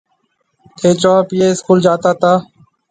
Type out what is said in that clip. ٿَي چونه پيي اسڪول جاتا تا۔